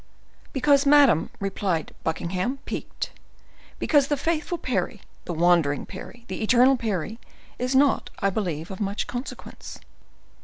"Because, madam," replied Buckingham, piqued, "because the faithful Parry, the wandering Parry, the eternal Parry, is not, I believe, of much consequence."